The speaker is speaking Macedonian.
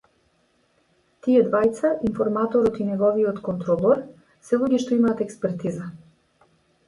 Тие двајца, информаторот и неговиот контролор се луѓе што имаат експертиза.